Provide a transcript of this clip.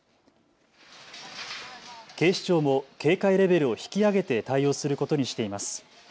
警視庁も警戒レベルを引き上げて対応することにしています。